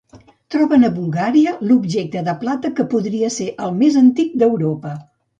Troben a Bulgària l'objecte de plata que podria ser el més antic d'Europa.